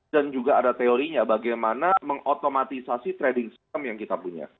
dan juga ada teorinya bagaimana mengotomatisasi trading system yang kita punya